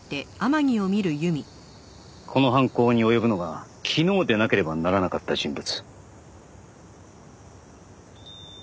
この犯行に及ぶのが昨日でなければならなかった人物。